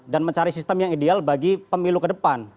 dan mencari sistem yang ideal bagi pemilu kedepan